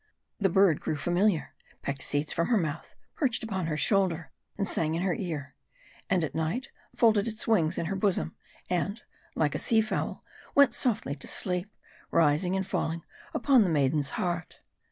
The bird grew familiar ; pecked seeds from her mouth ; perched upon her shoulder, and sang in her ear ; and at night, folded its wings in her bosom, and, like a sea fowl, went softly to sleep : rising and falling upon the maiden's heart.